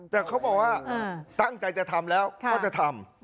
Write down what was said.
แต่เขาบอกว่าตั้งใจจะทำแล้วก็จะทำ